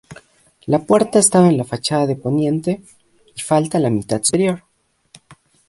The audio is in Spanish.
La puerta estaba en la fachada de poniente, y falta la mitad superior.